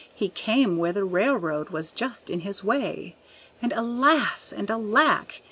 He came where the railroad was just in his way And alas! and alack!